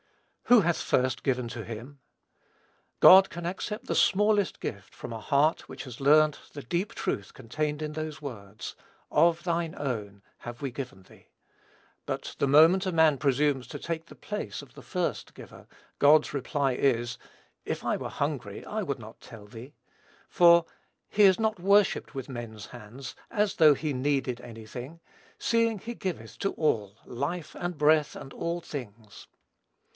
"Who hath first given to him?" God can accept the smallest gift from a heart which has learnt the deep truth contained in those words, "of thine own have we given thee;" but, the moment a man presumes to take the place of the "first" giver, God's reply is, "if I were hungry, I would not tell thee;" for "he is not worshipped with men's hands, as though he needed any thing, seeing he giveth to all life and breath and all things."